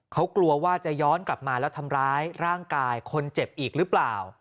เขากลัวว่าจะย้อนกลับมาแล้วทำร้ายร่างกายคนเจ็บอีกหรือเปล่า